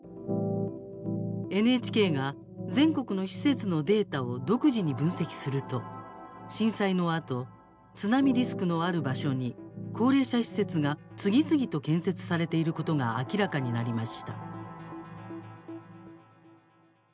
ＮＨＫが全国の施設のデータを独自に分析すると震災のあと津波リスクのある場所に高齢者施設が次々と建設されていることが明らかになりました。